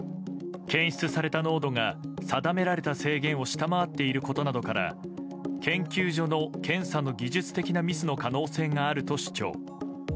検出された濃度が定められた制限を下回っていることなどから研究所の検査の技術的なミスの可能性があると主張。